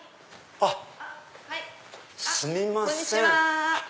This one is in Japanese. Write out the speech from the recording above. あっすみません。